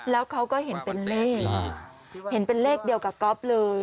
แล้วเขาก็เห็นเป็นเลขเห็นเป็นเลขเดียวกับก๊อฟเลย